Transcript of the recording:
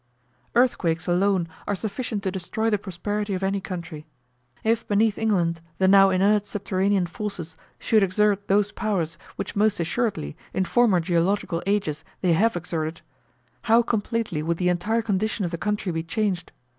Earthquakes alone are sufficient to destroy the prosperity of any country. If beneath England the now inert subterranean forces should exert those powers, which most assuredly in former geological ages they have exerted, how completely would the entire condition of the country be changed!